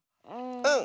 うん！